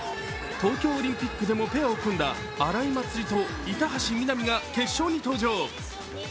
東京オリンピックでもペアを組んだ荒井祭里と板橋美波が決勝に登場。